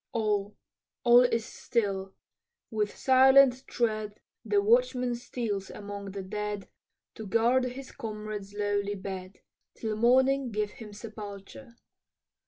All, all is still with silent tread The watchman steals among the dead, To guard his comrade's lowly bed, Till morning give him sepulture.